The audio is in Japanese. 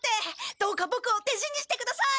どうかボクをでしにしてください！